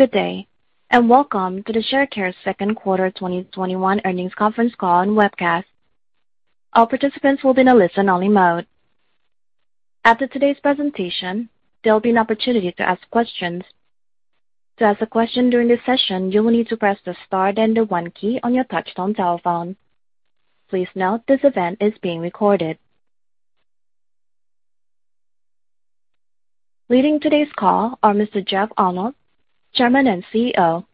Good day, and welcome to the Sharecare second quarter 2021 earnings conference call and webcast. All participants will be in a listen-only mode. After today's presentation, there will be an opportunity to ask questions. To ask a question during this session you will need to press the star then one key on your touchstone telephone. Please note this event is being recorded. Leading today's call are Mr. Jeff Arnold, Chairman and CEO,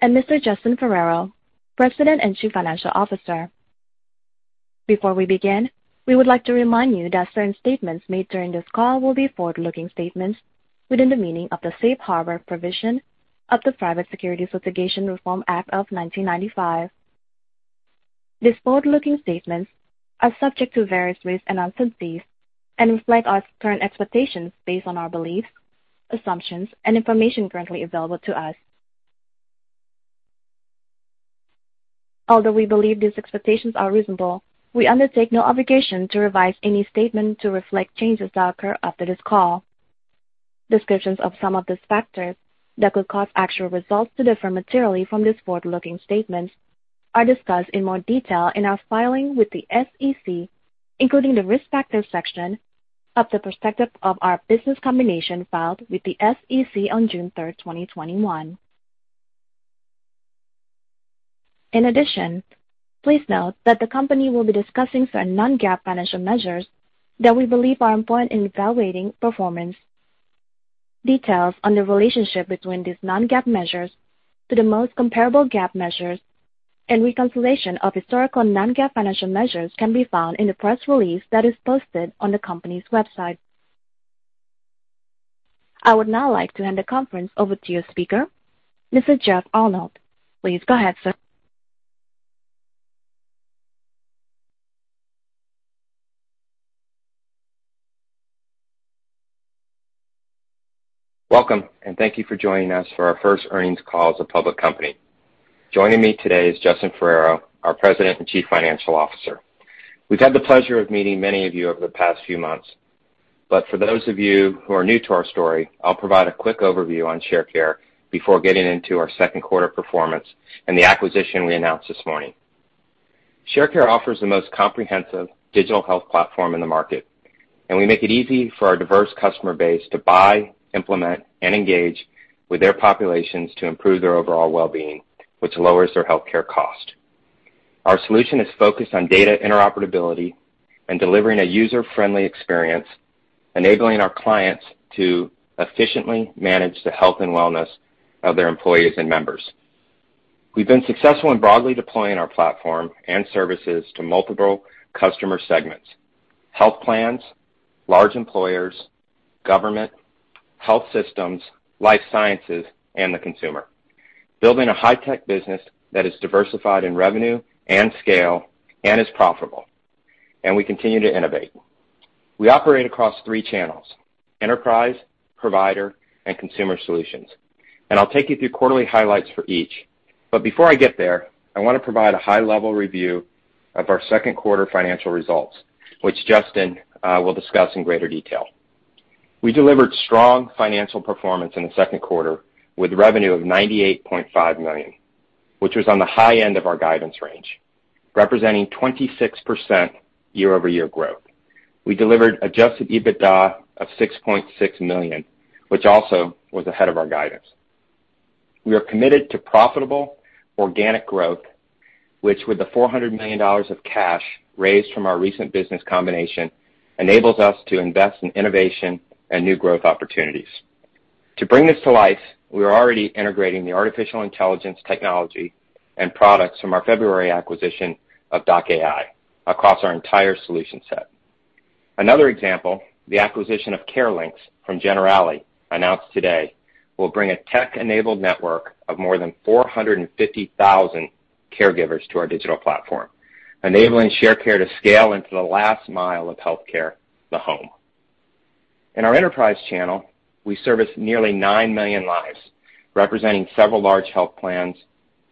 and Mr. Justin Ferrero, President and Chief Financial Officer. Before we begin, we would like to remind you that certain statements made during this call will be forward-looking statements within the meaning of the Safe Harbor provision of the Private Securities Litigation Reform Act of 1995. These forward-looking statements are subject to various risks and uncertainties and reflect our current expectations based on our beliefs, assumptions, and information currently available to us. Although we believe these expectations are reasonable, we undertake no obligation to revise any statement to reflect changes that occur after this call. Descriptions of some of these factors that could cause actual results to differ materially from these forward-looking statements are discussed in more detail in our filing with the SEC, including the Risk Factors section of the prospectus of our business combination filed with the SEC on June 3rd, 2021. In addition, please note that the company will be discussing certain non-GAAP financial measures that we believe are important in evaluating performance. Details on the relationship between these non-GAAP measures to the most comparable GAAP measures and reconciliation of historical non-GAAP financial measures can be found in the press release that is posted on the company's website. I would now like to hand the conference over to your speaker, Mr. Jeff Arnold. Please go ahead, sir. Welcome, thank you for joining us for our first earnings call as a public company. Joining me today is Justin Ferrero, our President and Chief Financial Officer. We've had the pleasure of meeting many of you over the past few months, but for those of you who are new to our story, I'll provide a quick overview on Sharecare before getting into our second quarter performance and the acquisition we announced this morning. Sharecare offers the most comprehensive digital health platform in the market, and we make it easy for our diverse customer base to buy, implement, and engage with their populations to improve their overall well-being, which lowers their healthcare cost. Our solution is focused on data interoperability and delivering a user-friendly experience, enabling our clients to efficiently manage the health and wellness of their employees and members. We've been successful in broadly deploying our platform and services to multiple customer segments: health plans, large employers, government, health systems, life sciences, and the consumer. Building a high-tech business that is diversified in revenue and scale and is profitable, and we continue to innovate. We operate across three channels: Enterprise, Provider, and Consumer solutions. I'll take you through quarterly highlights for each. Before I get there, I want to provide a high-level review of our second quarter financial results, which Justin will discuss in greater detail. We delivered strong financial performance in the second quarter with revenue of $98.5 million, which was on the high end of our guidance range, representing 26% year-over-year growth. We delivered adjusted EBITDA of $6.6 million, which also was ahead of our guidance. We are committed to profitable organic growth, which with the $400 million of cash raised from our recent business combination, enables us to invest in innovation and new growth opportunities. To bring this to life, we are already integrating the artificial intelligence technology and products from our February acquisition of doc.ai across our entire solution set. Another example, the acquisition of CareLinx from Generali, announced today, will bring a tech-enabled network of more than 450,000 caregivers to our digital platform, enabling Sharecare to scale into the last mile of healthcare, the home. In our Enterprise channel, we service nearly 9 million lives, representing several large health plans,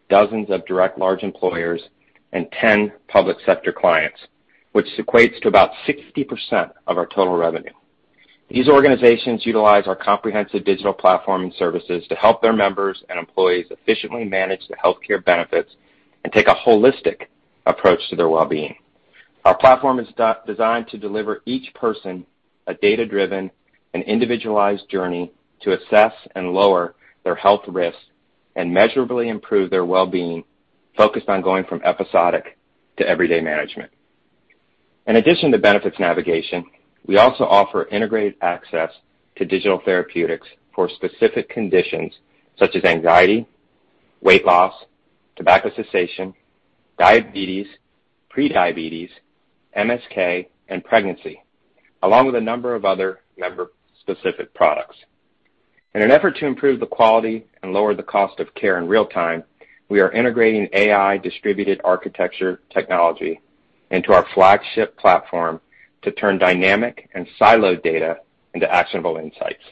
dozens of direct large employers, and 10 public sector clients, which equates to about 60% of our total revenue. These organizations utilize our comprehensive digital platform and services to help their members and employees efficiently manage their healthcare benefits and take a holistic approach to their well-being. Our platform is designed to deliver each person a data-driven and individualized journey to assess and lower their health risks and measurably improve their well-being, focused on going from episodic to everyday management. In addition to benefits navigation, we also offer integrated access to digital therapeutics for specific conditions such as anxiety, weight loss, tobacco cessation, diabetes, pre-diabetes, MSK, and pregnancy, along with a number of other member-specific products. In an effort to improve the quality and lower the cost of care in real time, we are integrating AI distributed architecture technology into our flagship platform to turn dynamic and siloed data into actionable insights.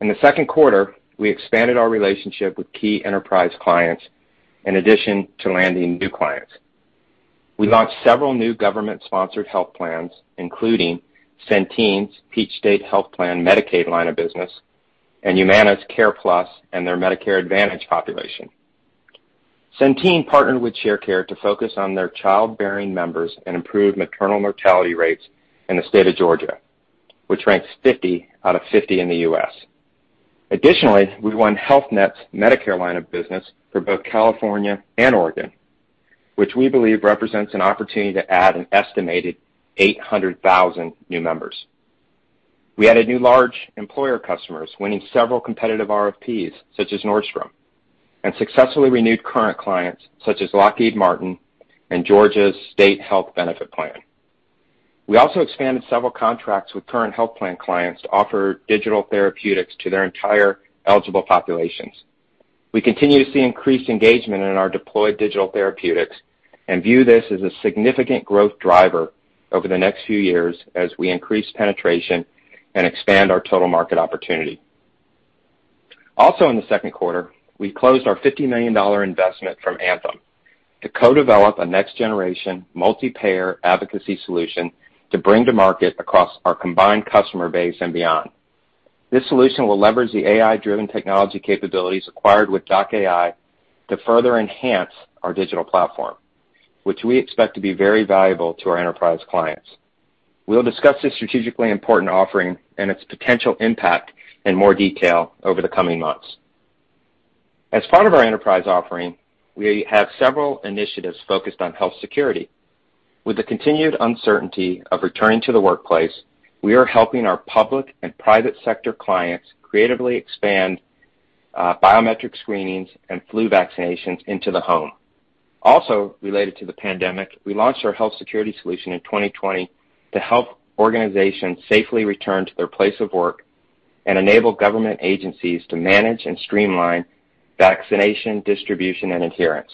In the second quarter, we expanded our relationship with key Enterprise clients in addition to landing new clients. We launched several new government-sponsored health plans, including Centene's Peach State Health Plan Medicaid line of business, and Humana's CarePlus and their Medicare Advantage population. Centene partnered with Sharecare to focus on their childbearing members and improve maternal mortality rates in the state of Georgia, which ranks 50 out of 50 in the U.S. Additionally, we won Health Net's Medicare line of business for both California and Oregon, which we believe represents an opportunity to add an estimated 800,000 new members. We added new large employer customers, winning several competitive RFPs, such as Nordstrom, and successfully renewed current clients such as Lockheed Martin and Georgia's State Health Benefit Plan. We also expanded several contracts with current health plan clients to offer digital therapeutics to their entire eligible populations. We continue to see increased engagement in our deployed digital therapeutics and view this as a significant growth driver over the next few years as we increase penetration and expand our total market opportunity. Also in the second quarter, we closed our $50 million investment from Anthem to co-develop a next-generation multi-payer advocacy solution to bring to market across our combined customer base and beyond. This solution will leverage the AI-driven technology capabilities acquired with doc.ai to further enhance our digital platform, which we expect to be very valuable to our enterprise clients. We'll discuss this strategically important offering and its potential impact in more detail over the coming months. As part of our Enterprise offering, we have several initiatives focused on health security. With the continued uncertainty of returning to the workplace, we are helping our public and private sector clients creatively expand biometric screenings and flu vaccinations into the home. Related to the pandemic, we launched our health security solution in 2020 to help organizations safely return to their place of work and enable government agencies to manage and streamline vaccination distribution and adherence.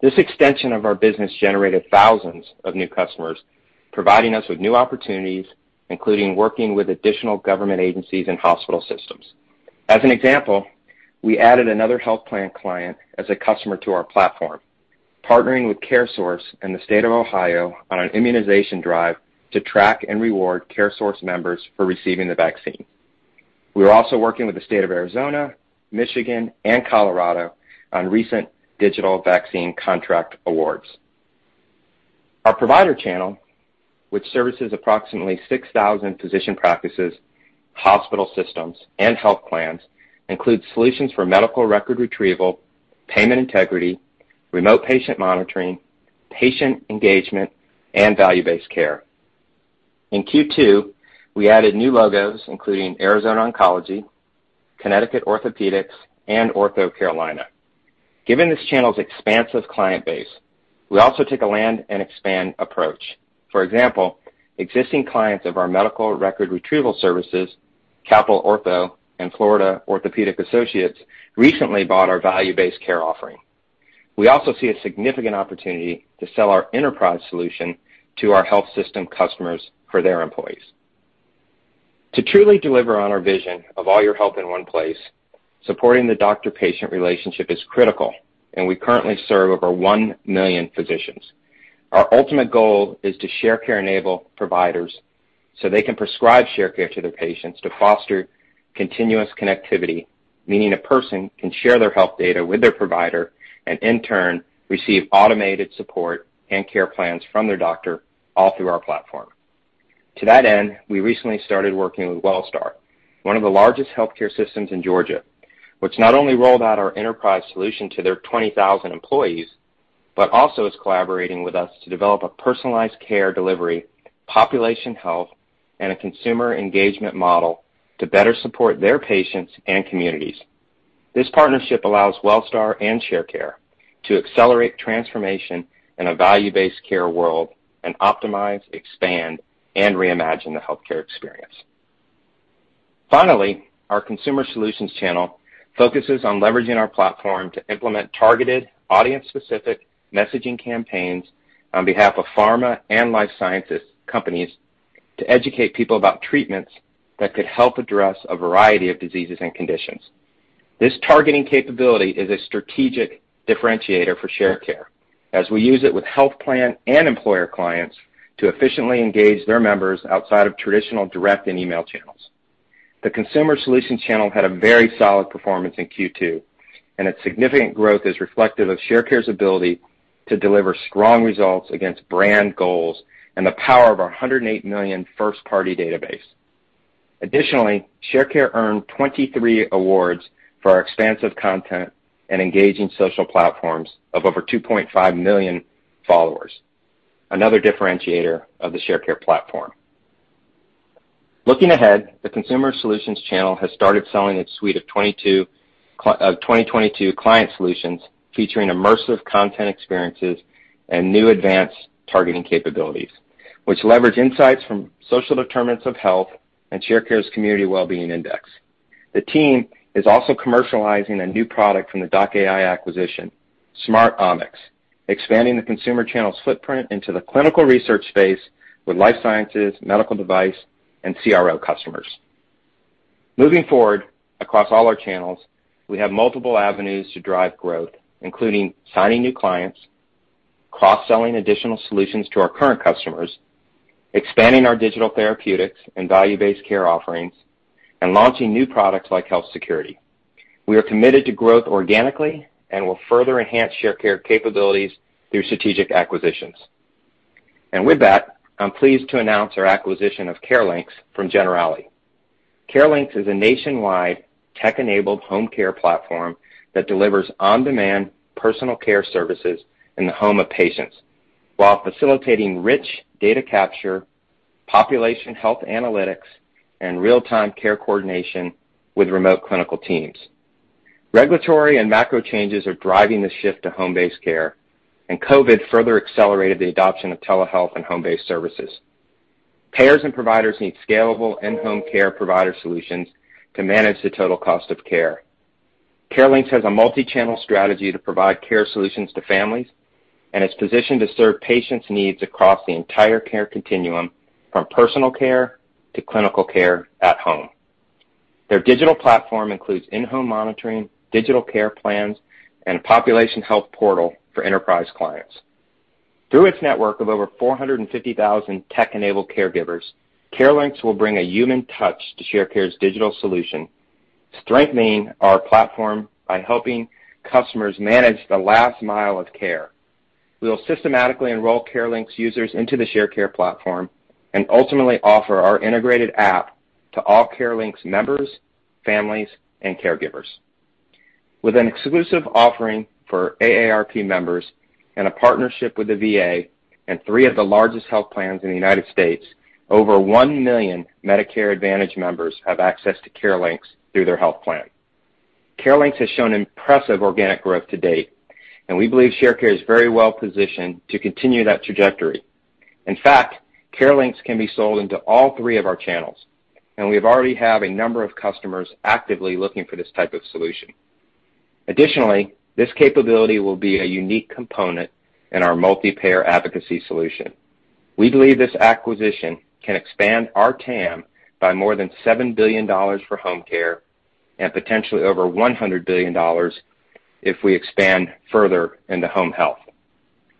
This extension of our business generated thousands of new customers, providing us with new opportunities, including working with additional government agencies and hospital systems. As an example, we added another health plan client as a customer to our platform, partnering with CareSource and the State of Ohio on an immunization drive to track and reward CareSource members for receiving the vaccine. We are also working with the State of Arizona, Michigan, and Colorado on recent digital vaccine contract awards. Our provider channel, which services approximately 6,000 physician practices, hospital systems, and health plans, includes solutions for medical record retrieval, payment integrity, remote patient monitoring, patient engagement, and value-based care. In Q2, we added new logos including Arizona Oncology, Connecticut Orthopaedics, and OrthoCarolina. Given this channel's expansive client base, we also take a land and expand approach. For example, existing clients of our medical record retrieval services, Capital Ortho and Florida Orthopaedic Associates, recently bought our value-based care offering. We also see a significant opportunity to sell our enterprise solution to our health system customers for their employees. To truly deliver on our vision of all your health in one place, supporting the doctor-patient relationship is critical, and we currently serve over 1 million physicians. Our ultimate goal is to Sharecare-enable providers so they can prescribe Sharecare to their patients to foster continuous connectivity, meaning a person can share their health data with their provider and in turn, receive automated support and care plans from their doctor, all through our platform. To that end, we recently started working with Wellstar, one of the largest healthcare systems in Georgia, which not only rolled out our enterprise solution to their 20,000 employees, but also is collaborating with us to develop a personalized care delivery, population health, and a consumer engagement model to better support their patients and communities. This partnership allows Wellstar and Sharecare to accelerate transformation in a value-based care world and optimize, expand, and reimagine the healthcare experience. Our Consumer solutions channel focuses on leveraging our platform to implement targeted, audience-specific messaging campaigns on behalf of pharma and life sciences companies to educate people about treatments that could help address a variety of diseases and conditions. This targeting capability is a strategic differentiator for Sharecare, as we use it with health plan and employer clients to efficiently engage their members outside of traditional direct and email channels. The Consumer solutions channel had a very solid performance in Q2. Its significant growth is reflective of Sharecare's ability to deliver strong results against brand goals and the power of our 108 million first-party database. Sharecare earned 23 awards for our expansive content and engaging social platforms of over 2.5 million followers, another differentiator of the Sharecare platform. Looking ahead, the Consumer solutions channel has started selling its suite of 2022 client solutions featuring immersive content experiences and new advanced targeting capabilities, which leverage insights from social determinants of health and Sharecare's Community Well-Being Index. The team is also commercializing a new product from the doc.ai acquisition, Smart Omix, expanding the Consumer channel's footprint into the clinical research space with life sciences, medical device, and CRO customers. Moving forward across all our channels, we have multiple avenues to drive growth, including signing new clients, cross-selling additional solutions to our current customers, expanding our digital therapeutics and value-based care offerings, and launching new products like Health Security. We are committed to growth organically and will further enhance Sharecare capabilities through strategic acquisitions. With that, I'm pleased to announce our acquisition of CareLinx from Generali. CareLinx is a nationwide tech-enabled home care platform that delivers on-demand personal care services in the home of patients while facilitating rich data capture, population health analytics, and real-time care coordination with remote clinical teams. Regulatory and macro changes are driving the shift to home-based care, and COVID further accelerated the adoption of telehealth and home-based services. Payers and providers need scalable in-home care provider solutions to manage the total cost of care. CareLinx has a multi-channel strategy to provide care solutions to families and is positioned to serve patients' needs across the entire care continuum from personal care to clinical care at home. Their digital platform includes in-home monitoring, digital care plans, and a population health portal for Enterprise clients. Through its network of over 450,000 tech-enabled caregivers, CareLinx will bring a human touch to Sharecare's digital solution, strengthening our platform by helping customers manage the last mile of care. We'll systematically enroll CareLinx users into the Sharecare platform and ultimately offer our integrated app to all CareLinx members, families, and caregivers. With an exclusive offering for AARP members and a partnership with the VA and three of the largest health plans in the U.S., over 1 million Medicare Advantage members have access to CareLinx through their health plan. CareLinx has shown impressive organic growth to date, and we believe Sharecare is very well positioned to continue that trajectory. CareLinx can be sold into all three of our channels, and we already have a number of customers actively looking for this type of solution. This capability will be a unique component in our multi-payer advocacy solution. We believe this acquisition can expand our TAM by more than $7 billion for home care and potentially over $100 billion if we expand further into home health.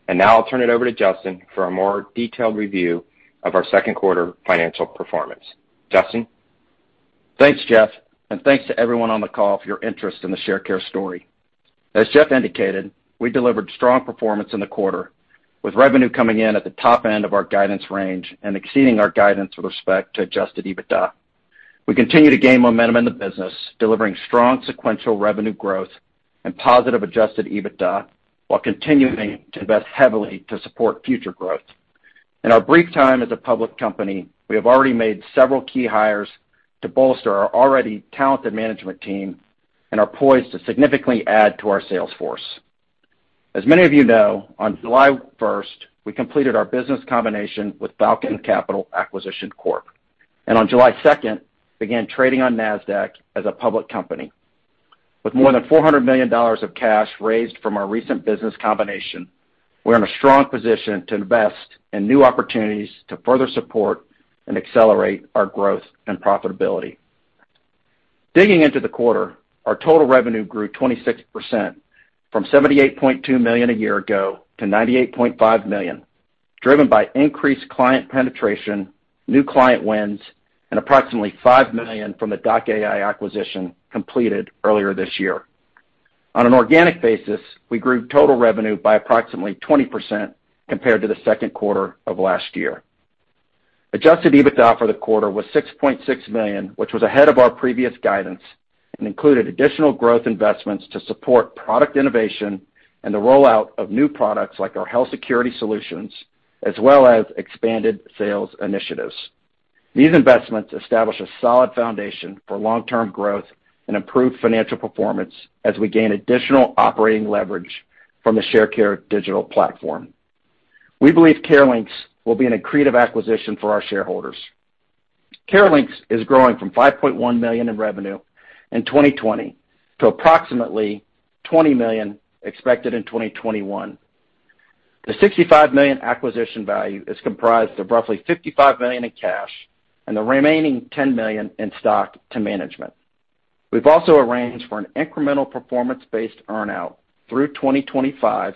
Now I'll turn it over to Justin for a more detailed review of our second quarter financial performance. Justin? Thanks, Jeff, and thanks to everyone on the call for your interest in the Sharecare story. As Jeff indicated, we delivered strong performance in the quarter, with revenue coming in at the top end of our guidance range and exceeding our guidance with respect to adjusted EBITDA. We continue to gain momentum in the business, delivering strong sequential revenue growth and positive adjusted EBITDA while continuing to invest heavily to support future growth. In our brief time as a public company, we have already made several key hires to bolster our already talented management team and are poised to significantly add to our sales force. As many of you know, on July 1st, we completed our business combination with Falcon Capital Acquisition Corp. On July 2nd, began trading on Nasdaq as a public company. With more than $400 million of cash raised from our recent business combination, we're in a strong position to invest in new opportunities to further support and accelerate our growth and profitability. Digging into the quarter, our total revenue grew 26%, from $78.2 million a year ago to $98.5 million, driven by increased client penetration, new client wins, and approximately $5 million from the doc.ai acquisition completed earlier this year. On an organic basis, we grew total revenue by approximately 20% compared to the second quarter of last year. Adjusted EBITDA for the quarter was $6.6 million, which was ahead of our previous guidance and included additional growth investments to support product innovation and the rollout of new products like our Health Security solutions, as well as expanded sales initiatives. These investments establish a solid foundation for long-term growth and improved financial performance as we gain additional operating leverage from the Sharecare digital platform. We believe CareLinx will be an accretive acquisition for our shareholders. CareLinx is growing from $5.1 million in revenue in 2020 to approximately $20 million expected in 2021. The $65 million acquisition value is comprised of roughly $55 million in cash and the remaining $10 million in stock to management. We've also arranged for an incremental performance-based earn-out through 2025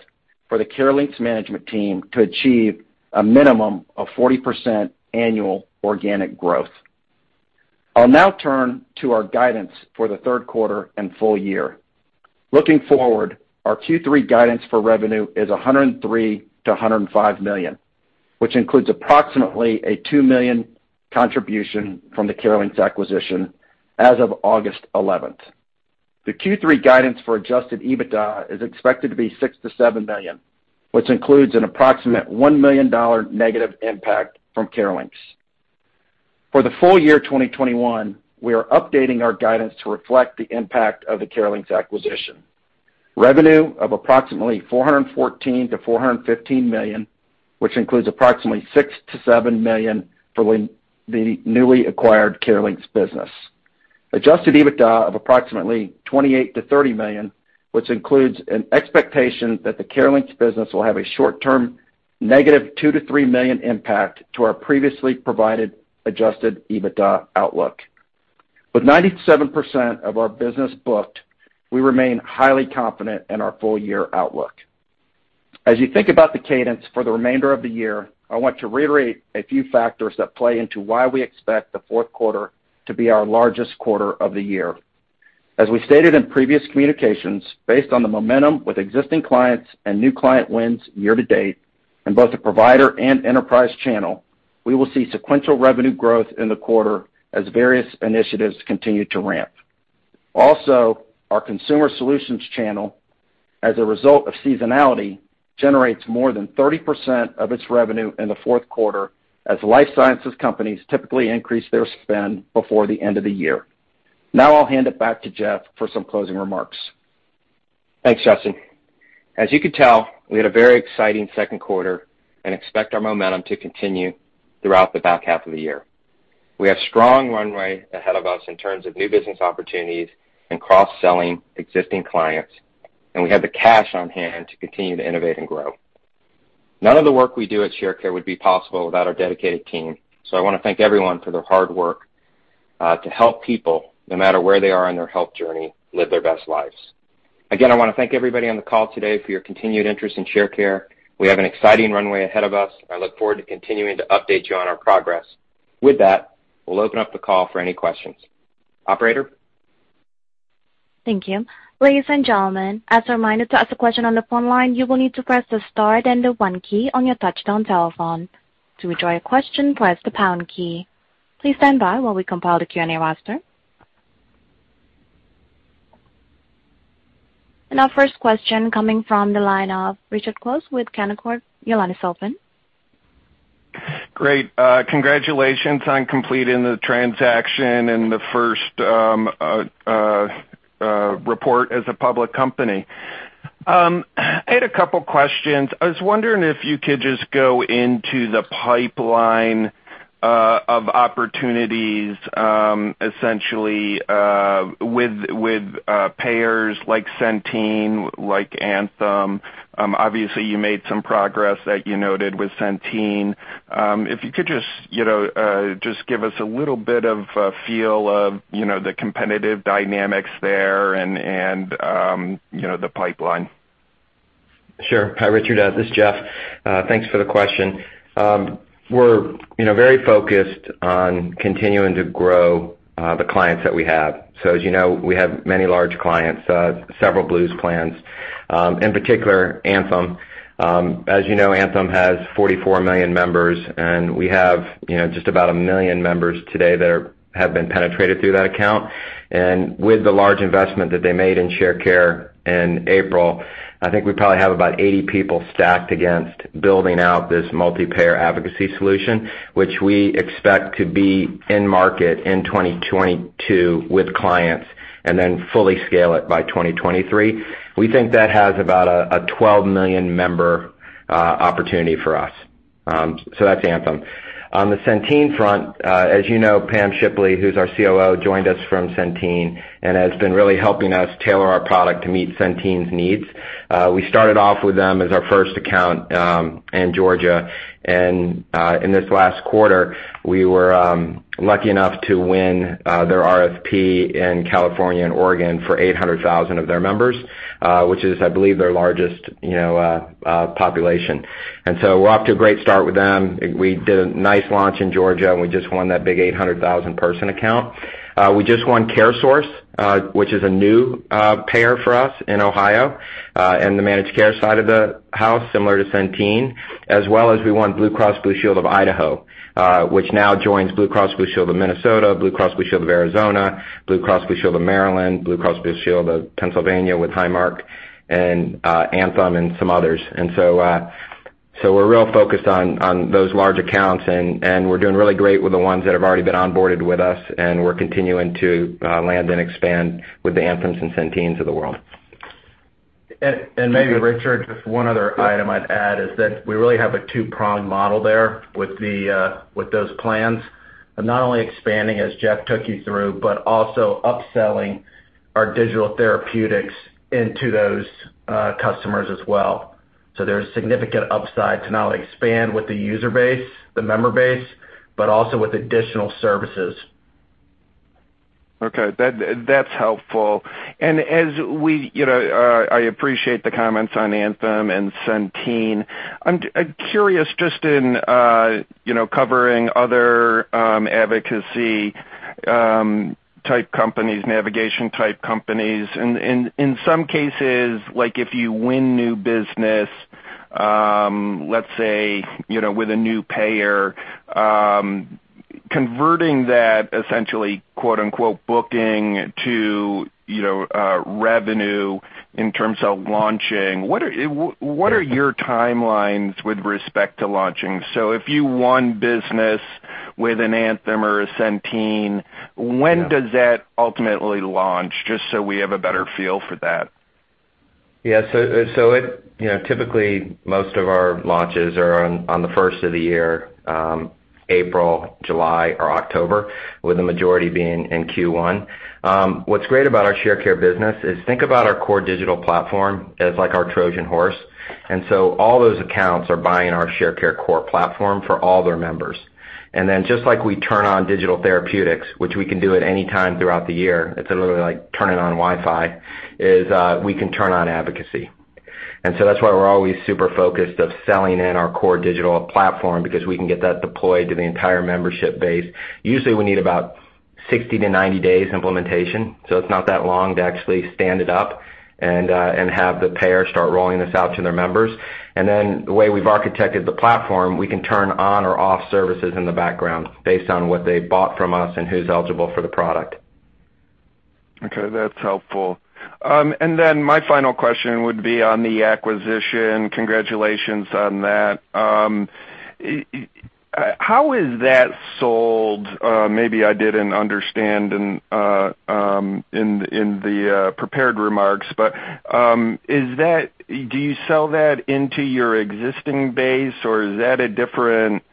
for the CareLinx management team to achieve a minimum of 40% annual organic growth. I'll now turn to our guidance for the third quarter and full year. Looking forward, our Q3 guidance for revenue is $103 million-$105 million, which includes approximately a $2 million contribution from the CareLinx acquisition as of August 11th. The Q3 guidance for adjusted EBITDA is expected to be $6 million-$7 million, which includes an approximate $1 million negative impact from CareLinx. For the full year 2021, we are updating our guidance to reflect the impact of the CareLinx acquisition. Revenue of approximately $414 million-$415 million, which includes approximately $6 million-$7 million for the newly acquired CareLinx business. Adjusted EBITDA of approximately $28 million-$30 million, which includes an expectation that the CareLinx business will have a short-term negative $2 million-$3 million impact to our previously provided adjusted EBITDA outlook. With 97% of our business booked, we remain highly confident in our full year outlook. As you think about the cadence for the remainder of the year, I want to reiterate a few factors that play into why we expect the fourth quarter to be our largest quarter of the year. As we stated in previous communications, based on the momentum with existing clients and new client wins year to date in both the Provider and Enterprise channel, we will see sequential revenue growth in the quarter as various initiatives continue to ramp. Also, our Consumer solutions channel, as a result of seasonality, generates more than 30% of its revenue in the fourth quarter as life sciences companies typically increase their spend before the end of the year. Now I'll hand it back to Jeff for some closing remarks. Thanks, Justin. As you can tell, we had a very exciting second quarter and expect our momentum to continue throughout the back half of the year. We have strong runway ahead of us in terms of new business opportunities and cross-selling existing clients. We have the cash on hand to continue to innovate and grow. None of the work we do at Sharecare would be possible without our dedicated team. I want to thank everyone for their hard work, to help people, no matter where they are in their health journey, live their best lives. Again, I want to thank everybody on the call today for your continued interest in Sharecare. We have an exciting runway ahead of us. I look forward to continuing to update you on our progress. With that, we'll open up the call for any questions. Operator? Thank you. Ladies and gentlemen, as a reminder to ask a question on the phone line, you will need to press the star and then one key on your touchstone telephone. To withdraw your question, press the pound key. Please stand by while we compile the Q and A roaster. Our first question coming from the line of Richard Close with Canaccord. Your line is open. Great. Congratulations on completing the transaction and the first report as a public company. I had a couple questions. I was wondering if you could just go into the pipeline, of opportunities, essentially, with payers like Centene, like Anthem. Obviously, you made some progress that you noted with Centene. If you could just give us a little bit of a feel of the competitive dynamics there and the pipeline. Sure. Hi, Richard. This is Jeff. Thanks for the question. We're, you know, very focused on continuing to grow the clients that we have. As you know, we have many large clients, several Blues plans, in particular, Anthem. As you know, Anthem has 44 million members, and we have just about 1 million members today that have been penetrated through that account. With the large investment that they made in Sharecare in April, I think we probably have about 80 people stacked against building out this multi-payer advocacy solution, which we expect to be in market in 2022 with clients and then fully scale it by 2023. We think that has about a 12 million member opportunity for us. That's Anthem. On the Centene front, as you know, Pam Shipley, who's our COO, joined us from Centene and has been really helping us tailor our product to meet Centene's needs. We started off with them as our first account in Georgia. In this last quarter, we were lucky enough to win their RFP in California and Oregon for 800,000 of their members, which is, I believe, their largest population. We're off to a great start with them. We did a nice launch in Georgia, and we just won that big 800,000 person account. We just won CareSource, which is a new payer for us in Ohio, in the managed care side of the house, similar to Centene, as well as we won Blue Cross Blue Shield of Idaho, which now joins Blue Cross Blue Shield of Minnesota, Blue Cross Blue Shield of Arizona, Blue Cross Blue Shield of Maryland, Blue Cross Blue Shield of Pennsylvania with Highmark, and Anthem and some others. We're real focused on those large accounts, and we're doing really great with the ones that have already been onboarded with us, and we're continuing to land and expand with the Anthems and Centenes of the world. Maybe, Richard, just one other item I'd add is that we really have a two-pronged model there with those plans of not only expanding as Jeff took you through, but also upselling our digital therapeutics into those customers as well. There's significant upside to not only expand with the user base, the member base, but also with additional services. Okay. That's helpful. I appreciate the comments on Anthem and Centene. I'm curious just in covering other advocacy type companies, navigation type companies. In some cases, like if you win new business, let's say, with a new payer, converting that essentially quote unquote booking to revenue in terms of launching, what are your timelines with respect to launching? If you won business with an Anthem or a Centene, when does that ultimately launch? Just so we have a better feel for that. Yeah. Typically, most of our launches are on the first of the year, April, July, or October, with the majority being in Q1. What's great about our Sharecare business is, think about our core digital platform as like our Trojan horse. All those accounts are buying our Sharecare core platform for all their members. Just like we turn on digital therapeutics, which we can do at any time throughout the year, it's literally like turning on Wi-Fi, is we can turn on advocacy. That's why we're always super focused of selling in our core digital platform, because we can get that deployed to the entire membership base. Usually, we need about 60-90 days implementation, so it's not that long to actually stand it up and have the payer start rolling this out to their members. The way we've architected the platform, we can turn on or off services in the background based on what they bought from us and who's eligible for the product. Okay, that's helpful. My final question would be on the acquisition. Congratulations on that. How is that sold? Maybe I didn't understand in the prepared remarks, do you sell that into your existing base, or is that a different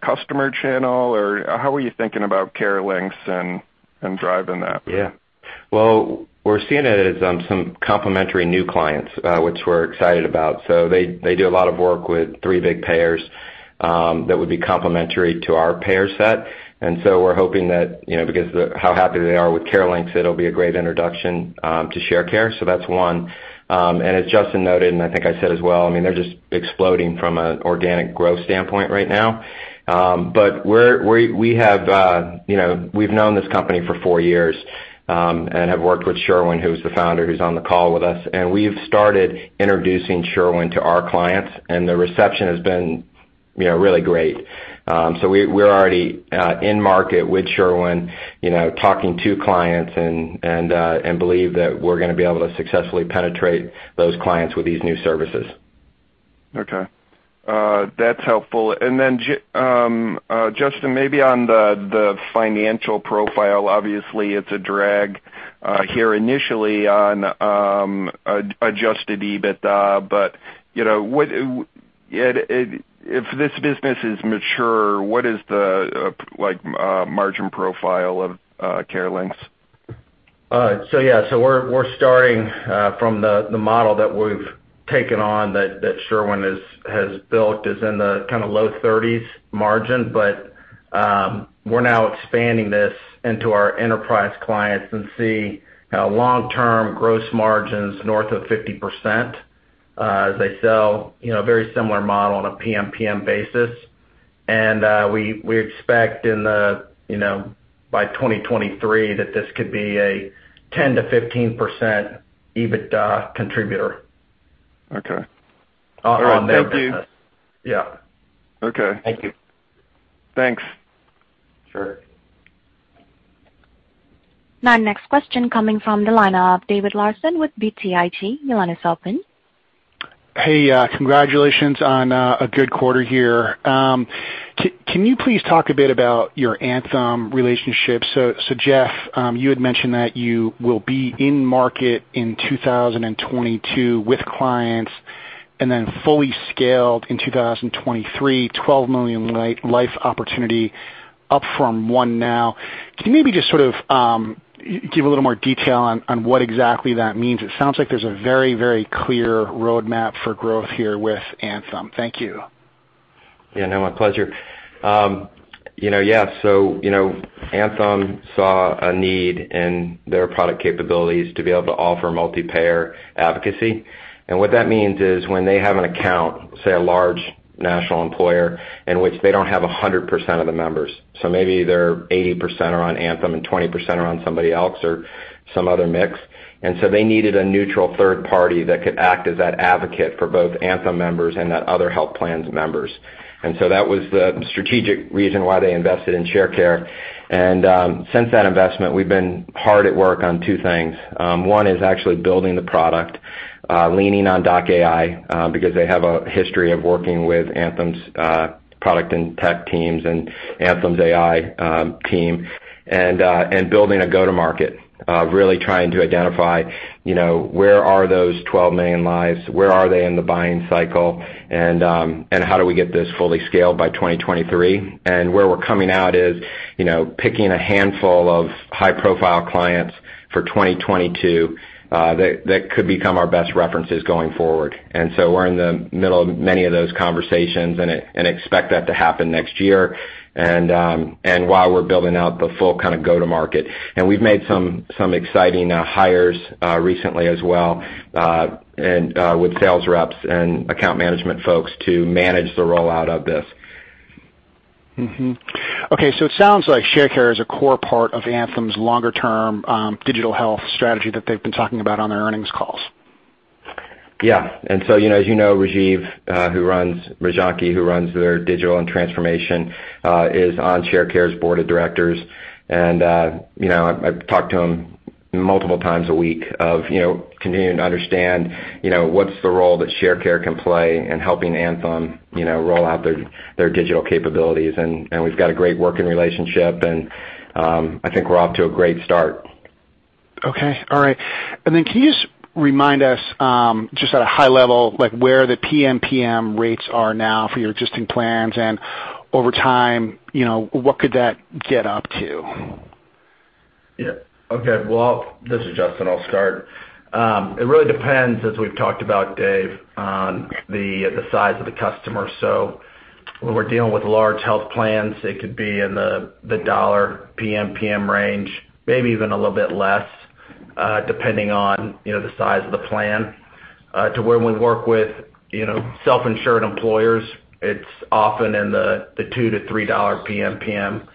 customer channel, or how are you thinking about CareLinx and driving that? Yeah. Well, we're seeing it as some complementary new clients, which we're excited about. They do a lot of work with three big payers that would be complementary to our payer set. We're hoping that because of how happy they are with CareLinx, it'll be a great introduction to Sharecare. That's one. As Justin noted, and I think I said as well, they're just exploding from an organic growth standpoint right now. We've known this company for four years and have worked with Sherwin, who's the founder, who's on the call with us. We've started introducing Sherwin to our clients, and the reception has been really great. We're already in market with Sherwin, talking to clients and believe that we're going to be able to successfully penetrate those clients with these new services. Okay. That's helpful. Then, Justin, maybe on the financial profile, obviously it is a drag here initially on adjusted EBITDA. If this business is mature, what is the margin profile of CareLinx? Yeah. We're starting from the model that we've taken on that Sherwin has built, is in the low 30s margin, but we're now expanding this into our Enterprise clients and see long-term gross margins north of 50%, as they sell very similar model on a PMPM basis. We expect by 2023 that this could be a 10%-15% EBITDA contributor. Okay. On the- All right. Thank you. Yeah. Okay. Thank you. Thanks. Sure. Now next question coming from the line of David Larsen with BTIG. Your line is open. Hey, congratulations on a good quarter here. Can you please talk a bit about your Anthem relationship? Jeff, you had mentioned that you will be in market in 2022 with clients and then fully scaled in 2023, 12 million life opportunity up from 1 million now. Can you maybe just give a little more detail on what exactly that means? It sounds like there's a very clear roadmap for growth here with Anthem. Thank you. No, my pleasure. Yeah. Anthem saw a need in their product capabilities to be able to offer multi-payer advocacy. What that means is when they have an account, say a large national employer in which they don't have 100% of the members, so maybe their 80% are on Anthem and 20% are on somebody else or some other mix. They needed a neutral third party that could act as that advocate for both Anthem members and that other health plans members. That was the strategic reason why they invested in Sharecare. Since that investment, we've been hard at work on two things. One is actually building the product, leaning on doc.ai, because they have a history of working with Anthem's product and tech teams and Anthem's AI team and building a go-to-market, really trying to identify where are those 12 million lives, where are they in the buying cycle, and how do we get this fully scaled by 2023? Where we're coming out is, picking a handful of high-profile clients for 2022, that could become our best references going forward. So we're in the middle of many of those conversations and expect that to happen next year while we're building out the full go-to-market. We've made some exciting hires recently as well, and with sales reps and account management folks to manage the rollout of this. Okay, it sounds like Sharecare is a core part of Anthem's longer-term digital health strategy that they've been talking about on their earnings calls. Yeah. as you know, Rajeev Ronanki, who runs their digital and transformation, is on Sharecare's board of directors. I talk to him multiple times a week of continuing to understand what's the role that Sharecare can play in helping Anthem roll out their digital capabilities. we've got a great working relationship, and I think we're off to a great start. Okay. All right. Then can you just remind us, just at a high level, where the PMPM rates are now for your existing plans, and over time, what could that get up to? Yeah. Okay. Well, this is Justin, I'll start. It really depends, as we've talked about, Dave, on the size of the customer. When we're dealing with large health plans, it could be in the dollar PMPM range, maybe even a little bit less, depending on the size of the plan. To where we work with self-insured employers, it's often in the $2-$3 PMPM.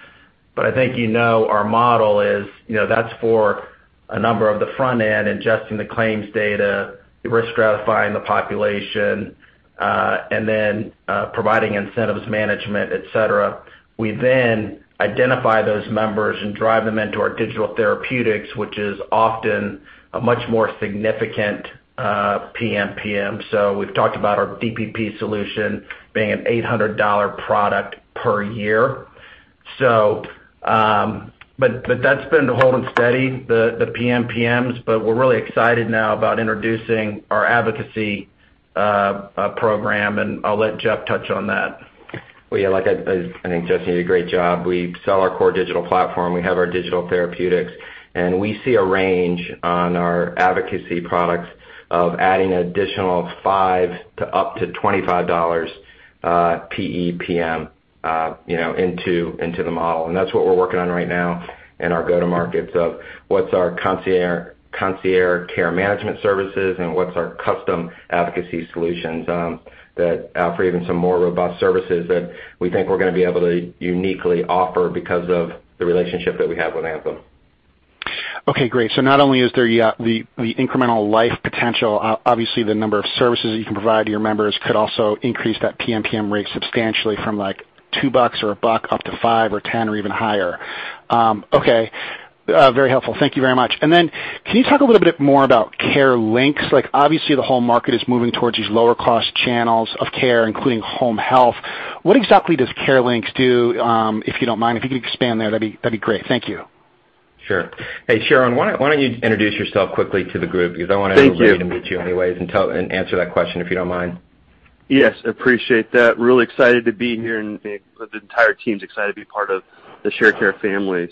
I think you know our model is, that's for a number of the front end and adjusting the claims data, risk stratifying the population, and then, providing incentives management, et cetera. We identify those members and drive them into our digital therapeutics, which is often a much more significant PMPM. We've talked about our DPP solution being an $800 product per year. That's been holding steady, the PMPMs, but we're really excited now about introducing our advocacy program, and I'll let Jeff touch on that. Well, yeah, I think Justin did a great job. We sell our core digital platform, we have our digital therapeutics, and we see a range on our advocacy products of adding an additional $5 to up to $25 PEPM into the model. That's what we're working on right now in our go-to-markets, of what's our concierge care management services and what's our custom advocacy solutions, that offer even some more robust services that we think we're going to be able to uniquely offer because of the relationship that we have with Anthem. Great. Not only is there the incremental life potential, obviously the number of services that you can provide to your members could also increase that PMPM rate substantially from like $2 or $1 up to $5 or $10 or even higher. Very helpful. Thank you very much. Can you talk a little bit more about CareLinx? Obviously, the whole market is moving towards these lower-cost channels of care, including home health. What exactly does CareLinx do? If you don't mind, if you could expand there, that'd be great. Thank you. Sure. Hey, Sherwin, why don't you introduce yourself quickly to the group? I want everybody- Thank you. to meet you anyways, and answer that question, if you don't mind. Yes. Appreciate that. Real excited to be here and the entire team's excited to be part of the Sharecare family.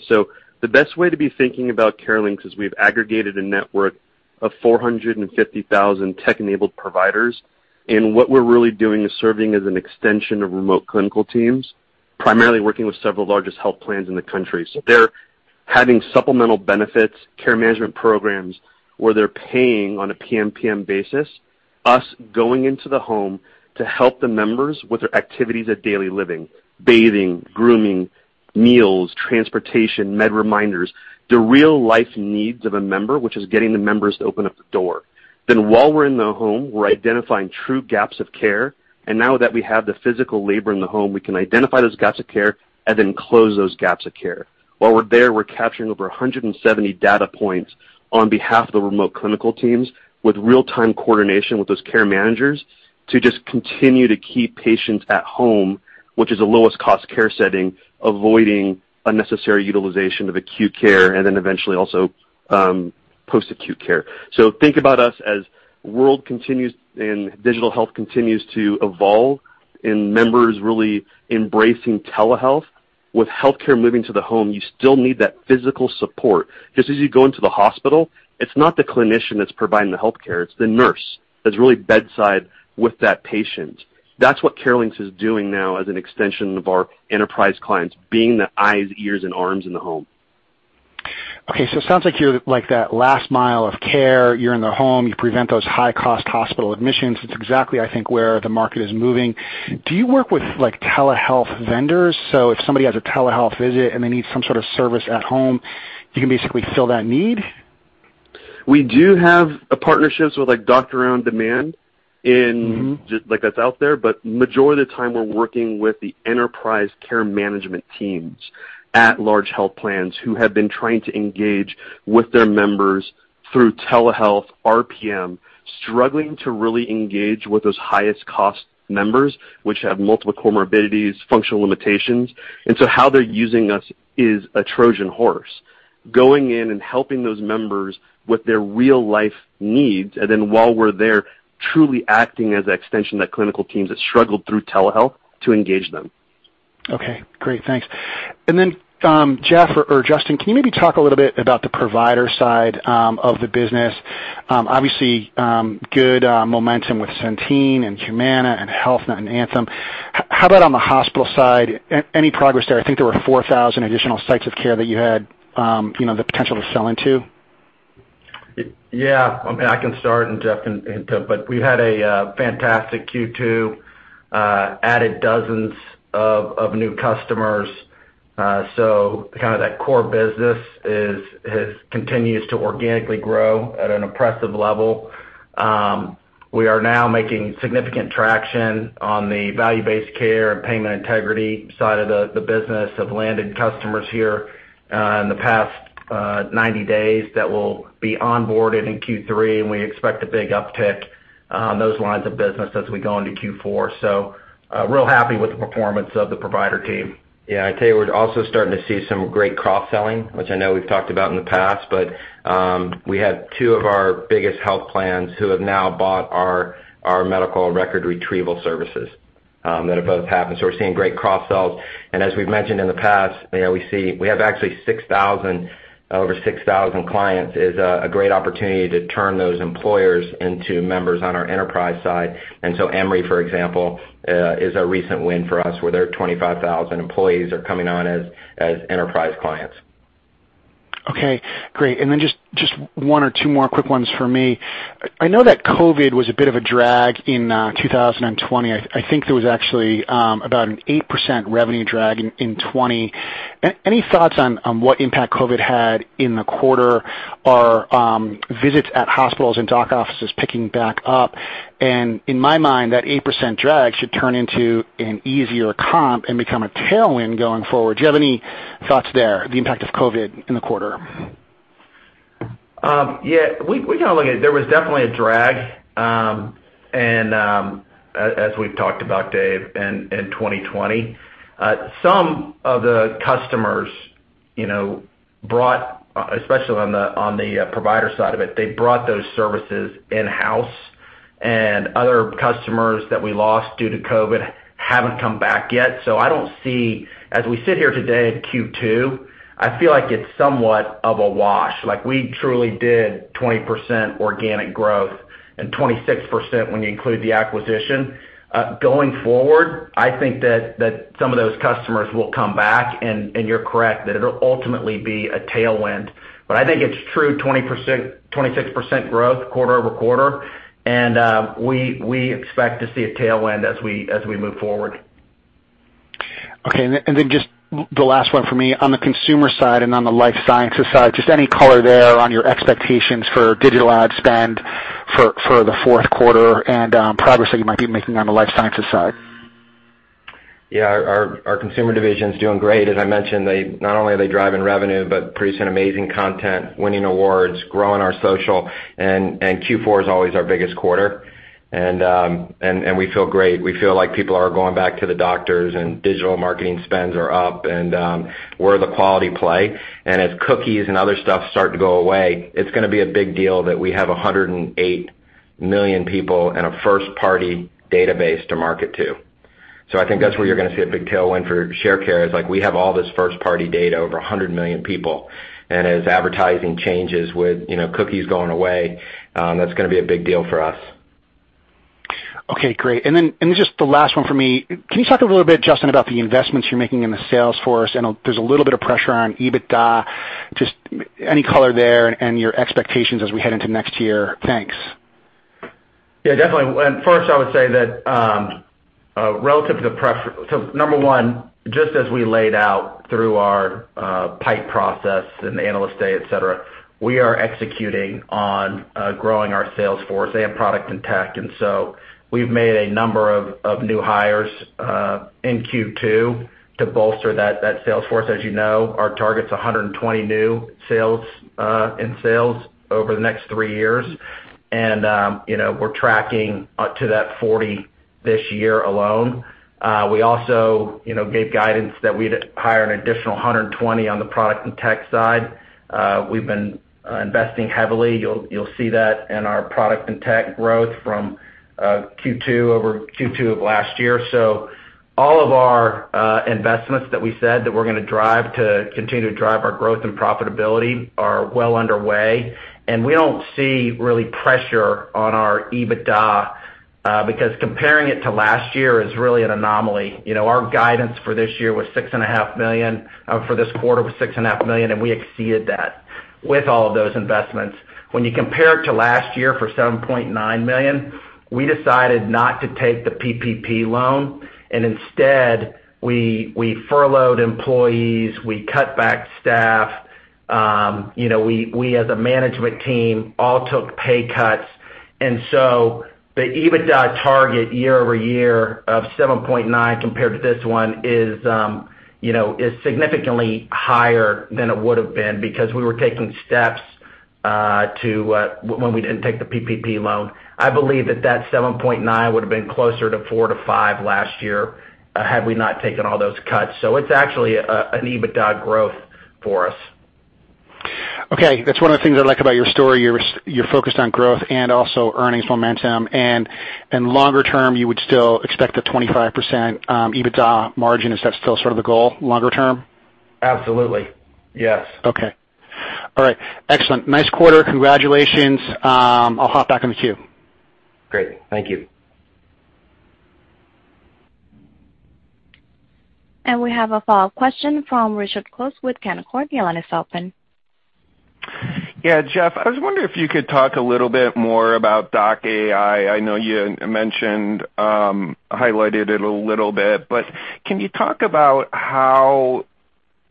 The best way to be thinking about CareLinx is we've aggregated a network of 450,000 tech-enabled providers, and what we're really doing is serving as an extension of remote clinical teams, primarily working with several of the largest health plans in the country. They're having supplemental benefits, care management programs, where they're paying on a PMPM basis, us going into the home to help the members with their activities of daily living, bathing, grooming, meals, transportation, med reminders, the real-life needs of a member, which is getting the members to open up the door. While we're in the home, we're identifying true gaps of care, and now that we have the physical labor in the home, we can identify those gaps of care and then close those gaps of care. While we're there, we're capturing over 170 data points on behalf of the remote clinical teams with real-time coordination with those care managers to just continue to keep patients at home, which is the lowest cost care setting, avoiding unnecessary utilization of acute care and then eventually also, post-acute care. Think about us as world continues and digital health continues to evolve and members really embracing telehealth. With healthcare moving to the home, you still need that physical support. Just as you go into the hospital, it's not the clinician that's providing the healthcare, it's the nurse that's really bedside with that patient. That's what CareLinx is doing now as an extension of our Enterprise clients, being the eyes, ears, and arms in the home. Okay, it sounds like you're like that last mile of care. You're in the home, you prevent those high-cost hospital admissions. It's exactly, I think, where the market is moving. Do you work with, like, telehealth vendors? If somebody has a telehealth visit and they need some sort of service at home, you can basically fill that need? We do have partnerships with Doctor On Demand in- like that's out there. Majority of the time, we're working with the enterprise care management teams at large health plans who have been trying to engage with their members through telehealth, RPM, struggling to really engage with those highest cost members, which have multiple comorbidities, functional limitations. How they're using us is a Trojan horse. Going in and helping those members with their real-life needs, and then while we're there, truly acting as an extension of that clinical teams that struggled through telehealth to engage them. Okay, great. Thanks. Then, Jeff or Justin, can you maybe talk a little bit about the Provider side of the business? Obviously, good momentum with Centene and Humana and Health Net and Anthem. How about on the hospital side? Any progress there? I think there were 4,000 additional sites of care that you had the potential to sell into. We had a fantastic Q2. Added dozens of new customers. Kind of that core business continues to organically grow at an impressive level. We are now making significant traction on the value-based care and payment integrity side of the business. Have landed customers here, in the past 90 days that will be onboarded in Q3, and we expect a big uptick on those lines of business as we go into Q4. Real happy with the performance of the Provider team. Yeah, I tell you, we're also starting to see some great cross-selling, which I know we've talked about in the past. We had two of our biggest health plans who have now bought our medical record retrieval services. That have both happened. We're seeing great cross-sells. As we've mentioned in the past, we have actually over 6,000 clients is a great opportunity to turn those employers into members on our Enterprise side. Emory, for example, is a recent win for us, where their 25,000 employees are coming on as Enterprise clients. Okay, great. Then just one or two more quick ones from me. I know that COVID was a bit of a drag in 2020. I think there was actually about an 8% revenue drag in 2020. Any thoughts on what impact COVID had in the quarter? Are visits at hospitals and doc offices picking back up? In my mind, that 8% drag should turn into an easier comp and become a tailwind going forward. Do you have any thoughts there, the impact of COVID in the quarter? There was definitely a drag, as we've talked about, Dave, in 2020. Some of the customers, especially on the Provider side of it, they brought those services in-house, and other customers that we lost due to COVID haven't come back yet. I don't see, as we sit here today in Q2, I feel like it's somewhat of a wash. We truly did 20% organic growth and 26% when you include the acquisition. Going forward, I think that some of those customers will come back, and you're correct, that it'll ultimately be a tailwind. I think it's true 26% growth quarter-over-quarter. We expect to see a tailwind as we move forward. Just the last one from me. On the Consumer side and on the Life Sciences side, just any color there on your expectations for digital ad spend for the fourth quarter and progress that you might be making on the Life Sciences side? Yeah, our Consumer division's doing great. As I mentioned, not only are they driving revenue, but producing amazing content, winning awards, growing our social, and Q4 is always our biggest quarter. We feel great. We feel like people are going back to the doctors and digital marketing spends are up and we're the quality play. As cookies and other stuff start to go away, it's going to be a big deal that we have 108 million people in a first-party database to market to. I think that's where you're going to see a big tailwind for Sharecare, is like we have all this first-party data, over 100 million people, and as advertising changes with cookies going away, that's going to be a big deal for us. Okay, great. Just the last one from me. Can you talk a little bit, Justin, about the investments you're making in the sales force? I know there's a little bit of pressure on EBITDA. Just any color there and your expectations as we head into next year. Thanks. Yeah, definitely. First, I would say that, number one, just as we laid out through our PIPE process and Analyst Day, et cetera, we are executing on growing our sales force. They have product and tech. We've made a number of new hires in Q2 to bolster that sales force. As you know, our target's 120 new in sales over the next three years. We're tracking to that 40 this year alone. We also gave guidance that we'd hire an additional 120 on the product and tech side. We've been investing heavily. You'll see that in our product and tech growth from Q2 over Q2 of last year. All of our investments that we said that we're going to drive to continue to drive our growth and profitability are well underway, and we don't see really pressure on our EBITDA, because comparing it to last year is really an anomaly. Our guidance for this quarter was $6.5 million, and we exceeded that with all of those investments. When you compare it to last year for $7.9 million, we decided not to take the PPP loan, and instead, we furloughed employees, we cut back staff. We, as a management team, all took pay cuts. The EBITDA target year-over-year of $7.9 million compared to this one is significantly higher than it would've been because we were taking steps when we didn't take the PPP loan. I believe that that $7.9 million would've been closer to $4 million-$5 million last year had we not taken all those cuts. It's actually an EBITDA growth for us. Okay. That's one of the things I like about your story. You're focused on growth and also earnings momentum. Longer term, you would still expect a 25% EBITDA margin. Is that still sort of the goal longer term? Absolutely. Yes. Okay. All right. Excellent. Nice quarter. Congratulations. I'll hop back in the queue. Great. Thank you. We have a follow-up question from Richard Close with Canaccord. The line is open. Yeah. Jeff, I was wondering if you could talk a little bit more about doc.ai. I know you highlighted it a little bit, but can you talk about how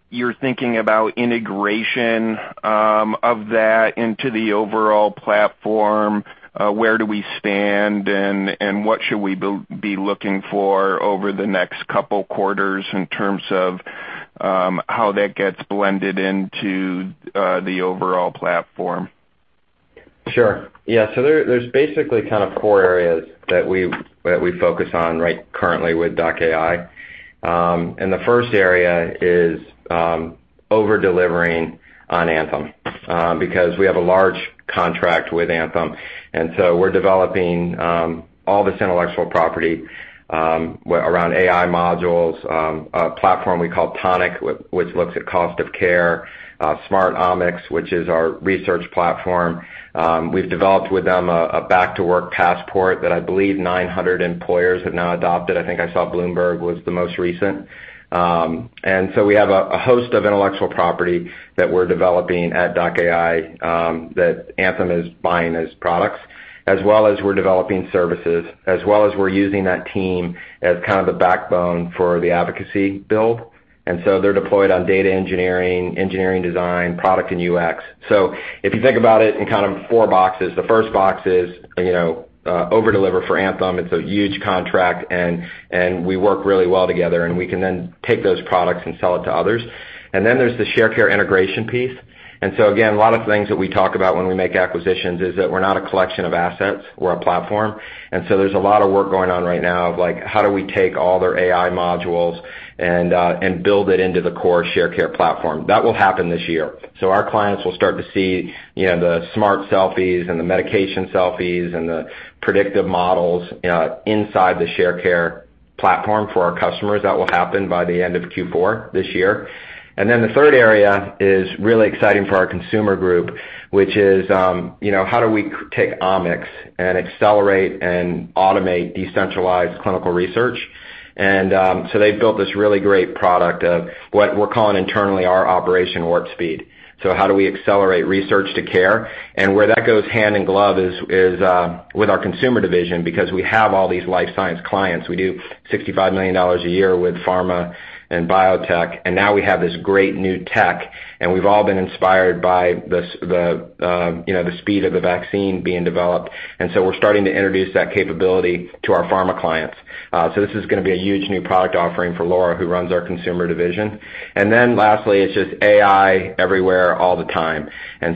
you're thinking about integration of that into the overall platform? Where do we stand, and what should we be looking for over the next couple quarters in terms of how that gets blended into the overall platform? Sure. Yeah. There's basically kind of core areas that we focus on right currently with doc.ai. The first area is. Over-delivering on Anthem, because we have a large contract with Anthem. We're developing all this intellectual property, around AI modules, a platform we call Tonic, which looks at cost of care, Smart Omix, which is our research platform. We've developed with them a back-to-work passport that I believe 900 employers have now adopted. I think I saw Bloomberg was the most recent. We have a host of intellectual property that we're developing at doc.ai, that Anthem is buying as products, as well as we're developing services, as well as we're using that team as kind of the backbone for the advocacy build. They're deployed on data engineering design, product, and UX. If you think about it in kind of four boxes, the first box is, over-deliver for Anthem. It's a huge contract, and we work really well together, and we can then take those products and sell it to others. Then there's the Sharecare integration piece. Again, a lot of things that we talk about when we make acquisitions is that we're not a collection of assets, we're a platform. There's a lot of work going on right now of like, how do we take all their AI modules and build it into the core Sharecare platform. That will happen this year. Our clients will start to see the smart selfies and the medication selfies and the predictive models inside the Sharecare platform for our customers. That will happen by the end of Q4 this year. Then the third area is really exciting for our Consumer group, which is, how do we take Omix and accelerate and automate decentralized clinical research? They've built this really great product of what we're calling internally our Operation Warp Speed. How do we accelerate research to care? Where that goes hand in glove is with our Consumer division, because we have all these Life Science clients. We do $65 million a year with pharma and biotech. Now we have this great new tech, and we've all been inspired by the speed of the vaccine being developed. We're starting to introduce that capability to our pharma clients. This is gonna be a huge new product offering for Laura, who runs our Consumer division. Lastly, it's just AI everywhere all the time.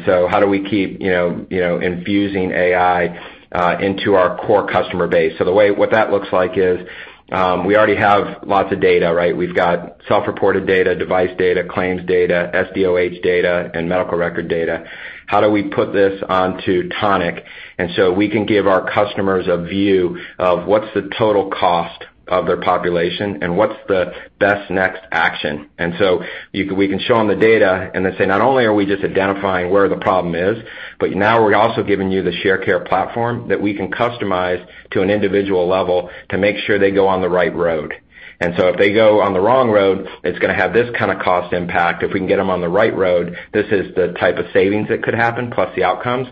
How do we keep infusing AI into our core customer base? What that looks like is, we already have lots of data, right? We've got self-reported data, device data, claims data, SDOH data, and medical record data. How do we put this onto Tonic, so we can give our customers a view of what's the total cost of their population and what's the best next action? We can show them the data and then say, "Not only are we just identifying where the problem is, but now we're also giving you the Sharecare platform that we can customize to an individual level to make sure they go on the right road. If they go on the wrong road, it's gonna have this kind of cost impact. If we can get them on the right road, this is the type of savings that could happen, plus the outcomes.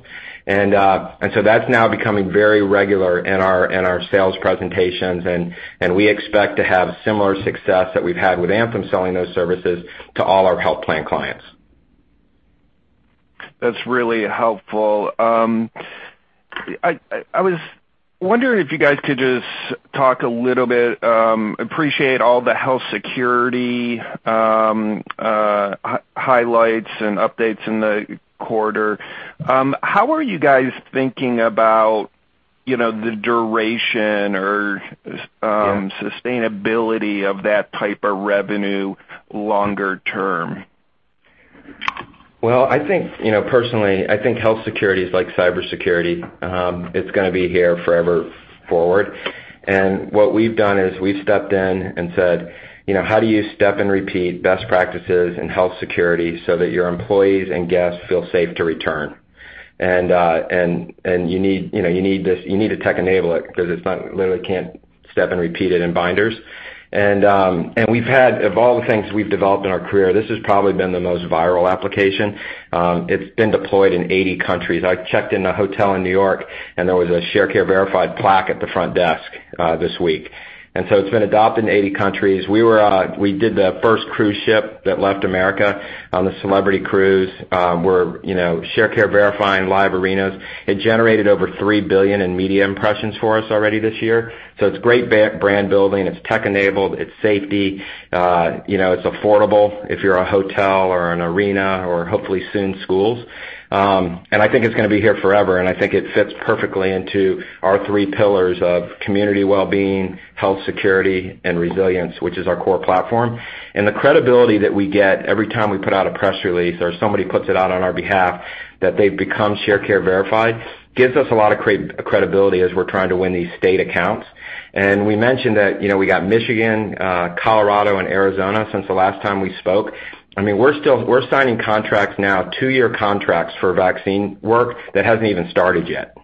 That's now becoming very regular in our sales presentations, and we expect to have similar success that we've had with Anthem selling those services to all our health plan clients. That's really helpful. I was wondering if you guys could just talk a little bit, appreciate all the health security highlights and updates in the quarter. How are you guys thinking about the duration? Yeah sustainability of that type of revenue longer term? Well, personally, I think health security is like cybersecurity. It's gonna be here forever forward. What we've done is we've stepped in and said, "How do you step and repeat best practices in health security so that your employees and guests feel safe to return?" You need to tech-enable it, because you literally can't step and repeat it in binders. Of all the things we've developed in our career, this has probably been the most viral application. It's been deployed in 80 countries. I checked in a hotel in New York, and there was a Sharecare VERIFIED plaque at the front desk this week. So it's been adopted in 80 countries. We did the first cruise ship that left America on the Celebrity Cruises. We're Sharecare Verifying live arenas. It generated over $3 billion in media impressions for us already this year. It's great brand building. It's tech enabled. It's safety. It's affordable if you're a hotel or an arena or hopefully soon, schools. I think it's gonna be here forever, and I think it fits perfectly into our three pillars of community wellbeing, health security, and resilience, which is our core platform. The credibility that we get every time we put out a press release or somebody puts it out on our behalf that they've become Sharecare VERIFIED, gives us a lot of credibility as we're trying to win these state accounts. We mentioned that we got Michigan, Colorado, and Arizona since the last time we spoke. We're signing contracts now, two-year contracts for vaccine work that hasn't even started yet.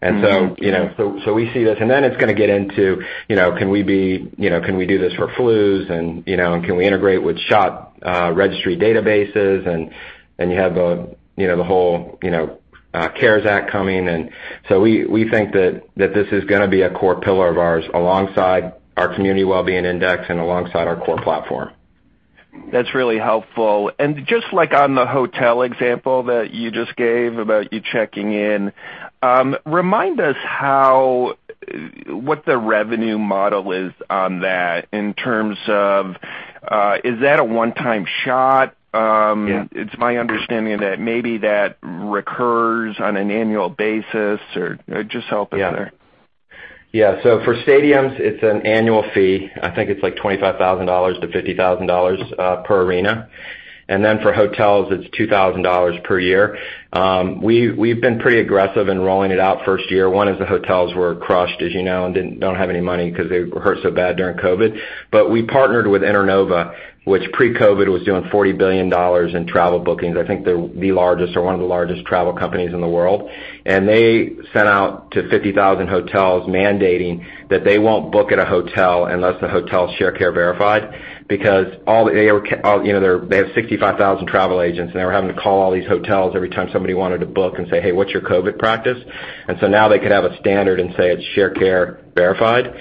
We see this, and then it's gonna get into can we do this for flus, and can we integrate with shot registry databases? You have the whole CARES Act coming, and so we think that this is gonna be a core pillar of ours alongside our Community Well-Being Index and alongside our core platform. That's really helpful. Just like on the hotel example that you just gave about you checking in, remind us what the revenue model is on that in terms of, is that a one-time shot? Yeah. It's my understanding that maybe that recurs on an annual basis or just help us there? Yeah. For stadiums, it's an annual fee. I think it's like $25,000-$50,000 per arena. For hotels, it's $2,000 per year. We've been pretty aggressive in rolling it out first year. One is the hotels were crushed, as you know, and don't have any money because they were hurt so bad during COVID. We partnered with Internova, which pre-COVID was doing $40 billion in travel bookings. I think they're the largest or one of the largest travel companies in the world. They sent out to 50,000 hotels mandating that they won't book at a hotel unless the hotel's Sharecare verified because they have 65,000 travel agents, and they were having to call all these hotels every time somebody wanted to book and say, "Hey, what's your COVID practice?" Now they could have a standard and say it's Sharecare verified.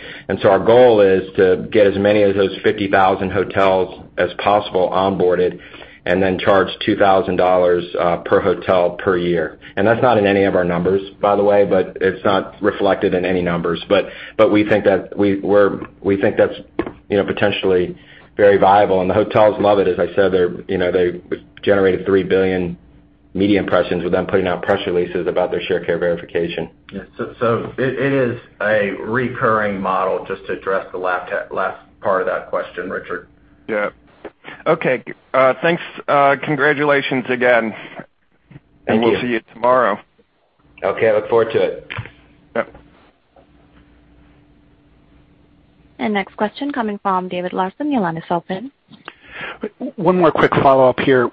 Our goal is to get as many of those 50,000 hotels as possible onboarded and then charge $2,000 per hotel per year. That's not in any of our numbers, by the way, but it's not reflected in any numbers. We think that's potentially very viable, and the hotels love it. As I said, they generated 3 billion media impressions with them putting out press releases about their Sharecare verification. Yeah. It is a recurring model, just to address the last part of that question, Richard. Yeah. Okay. Thanks. Congratulations again. Thank you. We'll see you tomorrow. Okay. Look forward to it. Yep. Next question coming from David Larsen, your line is open. One more quick follow-up here.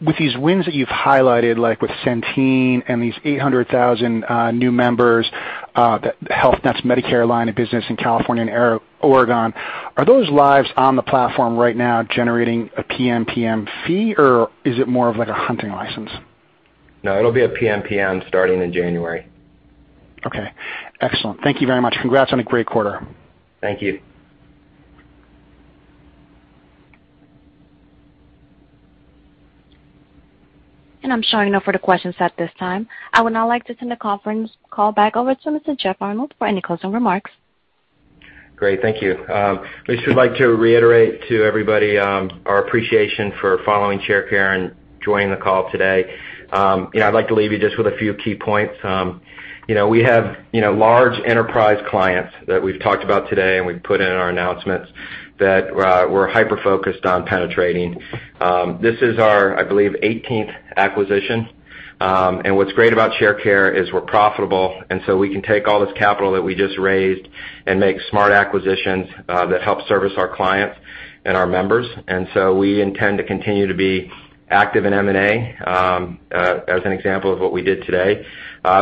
With these wins that you've highlighted, like with Centene and these 800,000 new members, Health Net's Medicare line of business in California and Oregon, are those lives on the platform right now generating a PMPM fee, or is it more of like a hunting license? No, it'll be a PMPM starting in January. Okay. Excellent. Thank you very much. Congrats on a great quarter. Thank you. I'm showing no further questions at this time. I would now like to turn the conference call back over to Mr. Jeff Arnold for any closing remarks. Great. Thank you. We should like to reiterate to everybody our appreciation for following Sharecare and joining the call today. I'd like to leave you just with a few key points. We have large enterprise clients that we've talked about today and we've put in our announcements that we're hyper-focused on penetrating. This is our, I believe, 18th acquisition. What's great about Sharecare is we're profitable, and so we can take all this capital that we just raised and make smart acquisitions that help service our clients and our members. We intend to continue to be active in M&A, as an example of what we did today.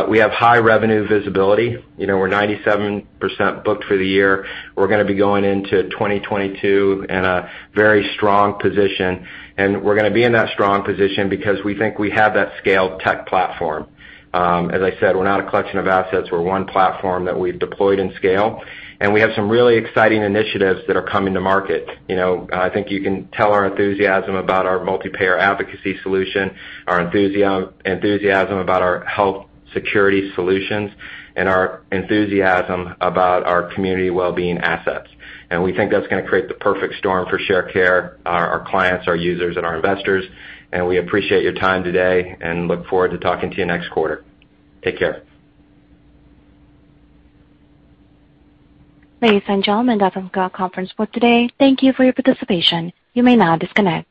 We have high revenue visibility. We're 97% booked for the year. We're going to be going into 2022 in a very strong position, and we're going to be in that strong position because we think we have that scaled tech platform. As I said, we're not a collection of assets. We're one platform that we've deployed in scale, and we have some really exciting initiatives that are coming to market. I think you can tell our enthusiasm about our multi-payer advocacy solution, our enthusiasm about our health security solutions, and our enthusiasm about our community wellbeing assets. We think that's going to create the perfect storm for Sharecare, our clients, our users, and our investors. We appreciate your time today and look forward to talking to you next quarter. Take care. Ladies and gentlemen, that's all we got conference for today. Thank you for your participation. You may now disconnect.